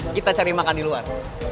kita cari makan di luar